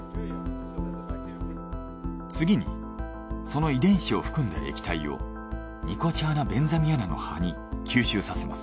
次にその遺伝子を含んだ液体をニコチアナ・ベンザミアナの葉に吸収させます。